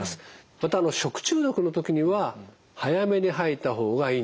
また食中毒の時には早めに吐いた方がいいんですね。